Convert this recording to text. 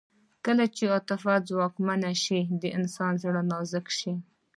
کله چې عاطفه ځواکمنه شي د انسان زړه نازک شي